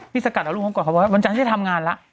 พี่สกัดเอารุงของเขาว่าวันฉันใช่ทำงานแล้ว